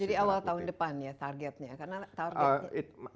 jadi awal tahun depan ya targetnya